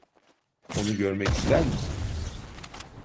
Onu görmek ister misin?